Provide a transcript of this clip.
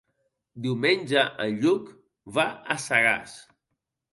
Diumenge en Lluc va a Sagàs.